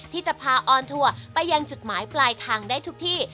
ที่จะพาออนทัวร์ไปยังจุดหมายปลายทางได้ทุกที่